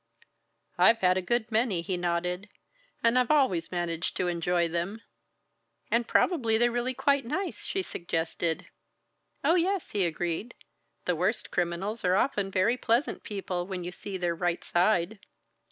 "I've had a good many," he nodded, "and I've always managed to enjoy them." "And probably they're really quite nice?" she suggested. "Oh, yes," he agreed, "the worst criminals are often very pleasant people when you see their right side."